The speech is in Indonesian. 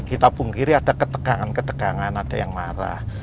bisa kita punggiri ada ketegangan ketegangan ada yang marah